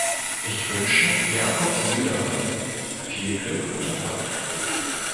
Ich wünsche Jacob Söderman viel Glück und Erfolg.